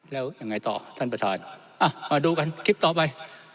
แล้วยังไงต่อท่านประธานมาดูกันคลิปต่อไป